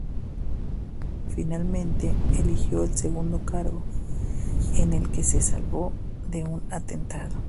Finalmente eligió el segundo cargo, en el que se salvó de un atentado.